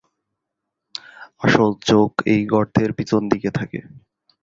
আসল চোখ এই গর্তের পিছন দিকে থাকে।